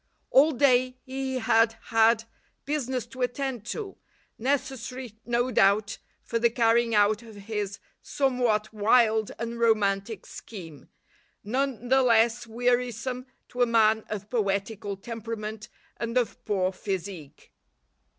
All day he had had business to attend to, necessary no doubt for the carrying out of his somewhat wild and romantic scheme, none the less wearisome to a man of poetical temperament and of poor physique.